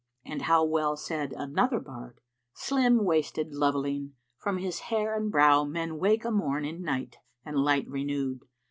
'" And how well saith another bard, "Slim waisted loveling, from his hair and brow * Men wake a morn in night and light renewed.